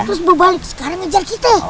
terus berbalik sekarang ngejar kita